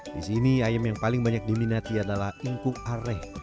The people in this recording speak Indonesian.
di sini ayam yang paling banyak diminati adalah ingkung areh